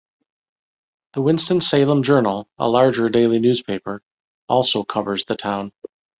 The Winston-Salem Journal, a larger daily newspaper, also covers the town.